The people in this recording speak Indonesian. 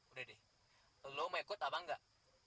udah deh lo mau ikut apa enggak